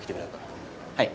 はい。